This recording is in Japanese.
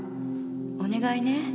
お願いね。